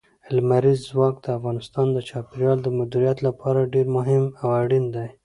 لمریز ځواک د افغانستان د چاپیریال د مدیریت لپاره ډېر مهم او اړین دي.